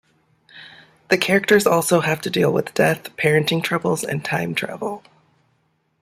The characters also have to deal with death, parenting troubles and time travel.